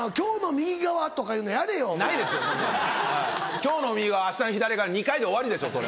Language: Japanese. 「今日の右側」「明日の左側」２回で終わりでしょそれ